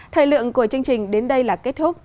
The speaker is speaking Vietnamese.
thời lượng của chương trình đến đây là kết thúc